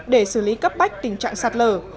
để xử lý cấp bách tình trạng sạt lở